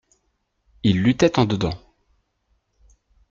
Il luttait en dedans.